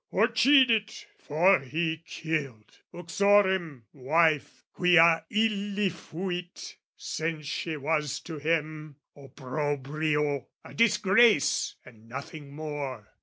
Occidit, for he killed, uxorem, wife, Quia illi fuit, since she was to him, Opprobrio, a disgrace and nothing more!